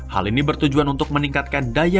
hal ini bertujuan untuk meningkatkan daya